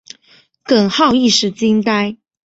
耿浩一时惊呆。